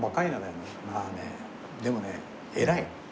でもね偉い。